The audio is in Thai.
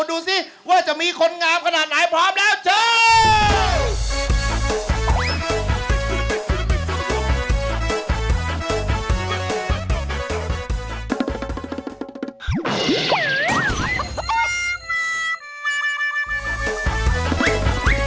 ดูสิว่าจะมีคนงามขนาดไหนพร้อมแล้วเชิญ